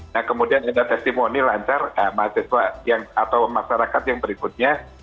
nah kemudian ada testimoni lancar mahasiswa atau masyarakat yang berikutnya